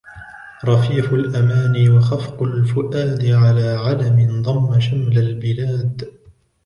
رفيـفُ الأماني وخَفـقُ الفؤادْ عـلى عَـلَمٍ ضَمَّ شَـمْلَ البلادْ